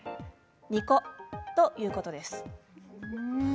ニコッ！ということです。